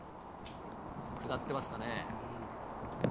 下ってますかね。